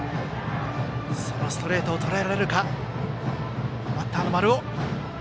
そのストレートをとらえられるか、バッターの丸尾。